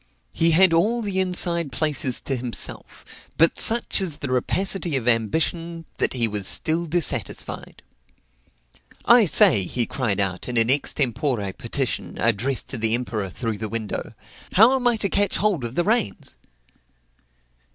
He had all the inside places to himself; but such is the rapacity of ambition, that he was still dissatisfied. "I say," he cried out in an extempore petition, addressed to the emperor through the window, "how am I to catch hold of the reins?"